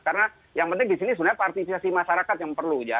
karena yang penting disini sebenarnya partisipasi masyarakat yang perlu ya